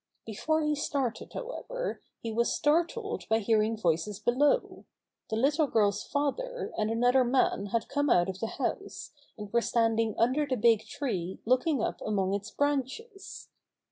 Before he started, however, he was startled by hearing voices below. The little girl's father and another man had come out of the house, and were standing under the big tree looking up among its banches.